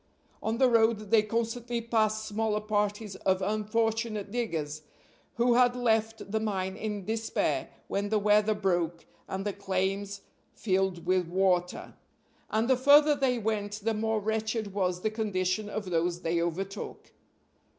On the road they constantly passed smaller parties of unfortunate diggers, who had left the mine in despair when the weather broke and the claims filled with water; and the farther they went the more wretched was the condition of those they overtook.